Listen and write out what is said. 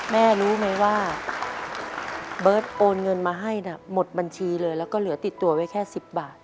แม่รู้ไหมว่าเบิร์ตโอนเงินมาให้นะหมดบัญชีเลยแล้วก็เหลือติดตัวไว้แค่๑๐บาท